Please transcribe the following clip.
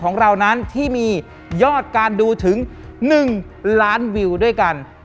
ของเรานั้นที่มียอดการดูถึง๑ล้านวิวด้วยกัน